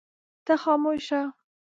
ته خاموش شه.